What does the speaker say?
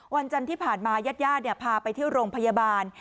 วันจันทร์ที่ผ่านมาญาติญาติพาไปที่โรงพยาบาล